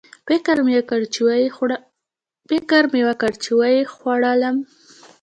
فکر مې وکړ چې ویې خوړلم